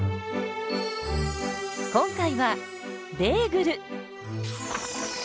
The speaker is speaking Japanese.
今回はベーグル！